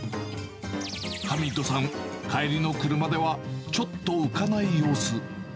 ハミッドさん、帰りの車ではちょっと浮かない様子。